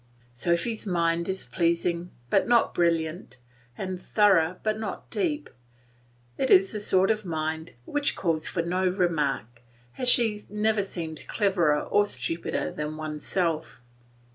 Sophy's mind is pleasing but not brilliant, and thorough but not deep; it is the sort of mind which calls for no remark, as she never seems cleverer or stupider than oneself.